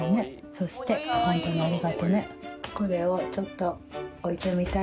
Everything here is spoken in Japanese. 「そして本当にありがとうね」